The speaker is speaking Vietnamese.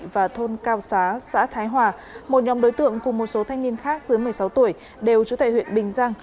và thôn cao xá xã thái hòa một nhóm đối tượng cùng một số thanh niên khác dưới một mươi sáu tuổi đều trú tại huyện bình giang